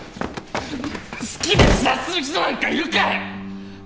好きで自殺する人なんかいるかよ！